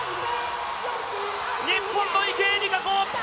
日本の池江璃花子！